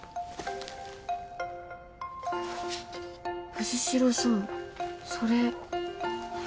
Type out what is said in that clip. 藤代さんそれ。